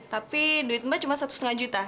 tapi duit mbak cuma satu lima juta